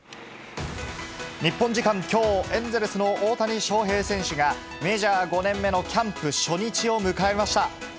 日本時間きょう、エンゼルスの大谷翔平選手が、メジャー５年目のキャンプ初日を迎えました。